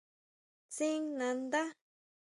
Tsín nandá.